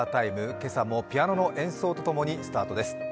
今朝もピアノの演奏と共にスタートです。